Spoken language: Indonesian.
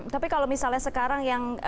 tapi kalau misalnya sekarang yang